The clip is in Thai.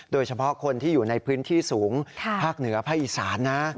โดยเฉพาะคนที่อยู่ในพื้นที่สูงภาคเหนือภาคอีสานนะ